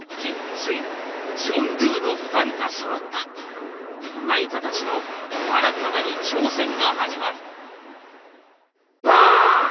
ついにジョン・ドゥの２人が揃った那由他達の新たなる挑戦が始まるバーン！